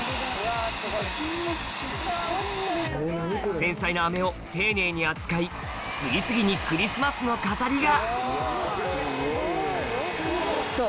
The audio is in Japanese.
繊細な飴を丁寧に扱い次々にクリスマスの飾りが・どう？